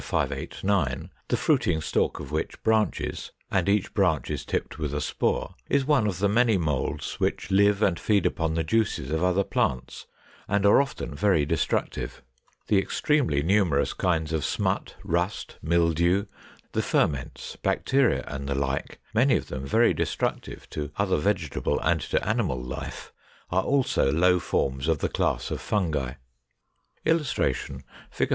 589), the fruiting stalk of which branches, and each branch is tipped with a spore, is one of the many moulds which live and feed upon the juices of other plants or of animals, and are often very destructive. The extremely numerous kinds of smut, rust, mildew, the ferments, bacteria, and the like, many of them very destructive to other vegetable and to animal life, are also low forms of the class of Fungi. [Illustration: Fig.